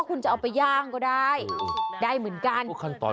ขั้นตอนก็เยอะอยู่เหมือนกัน